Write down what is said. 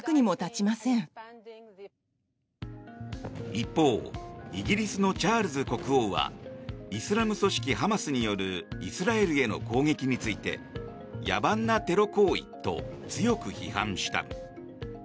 一方、イギリスのチャールズ国王はイスラム組織ハマスによるイスラエルへの攻撃について野蛮なテロ行為と強く批判した。